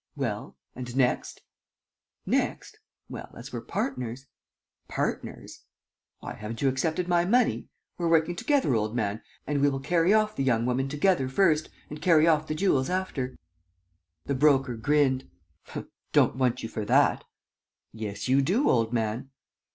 "Well ... and next?" "Next? Well, as we're partners ..." "Partners?" "Why, haven't you accepted my money? We're working together, old man, and we will carry off the young woman together first and carry off the jewels after." The Broker grinned: "Don't want you for that." "Yes, you do, old man."